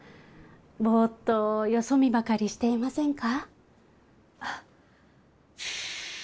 ボっとよそ見ばかりしていませんか？